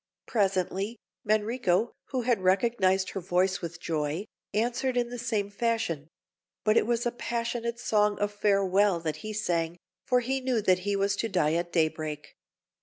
Presently, Manrico, who had recognised her voice with joy, answered in the same fashion; but it was a passionate song of farewell that he sang, for he knew that he was to die at day break.